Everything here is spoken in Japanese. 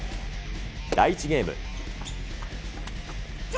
第１ゲーム。